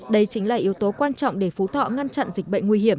đây chính là yếu tố quan trọng để phú thọ ngăn chặn dịch bệnh nguy hiểm